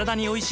お。